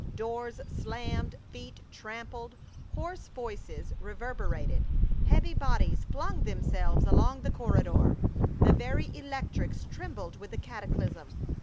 Doors slammed, feet trampled, hoarse voices reverberated, heavy bodies flung themselves along the corridor, the very electrics trembled with the cataclysm.